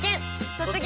「突撃！